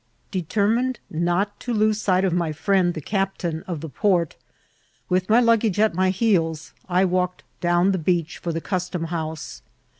Determined not to lose sight of my firiend the captain of the port, with my luggage at my heels I walked down the beach for the custom house.